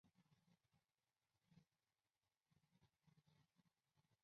召开一般程序审查会议